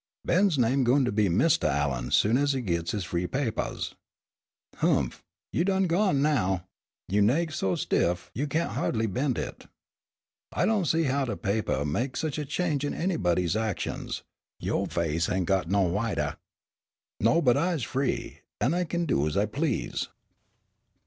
"Ben's name goin' to be Mistah Allen soon's he gits his free papahs." "Oomph! You done gone now! Yo' naik so stiff you can't ha'dly ben' it. I don' see how dat papah mek sich a change in anybody's actions. Yo' face ain' got no whitah." "No, but I's free, an' I kin do as I please."